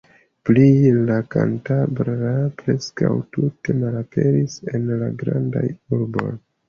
Plie, la kantabra preskaŭ tute malaperis en la grandaj urboj.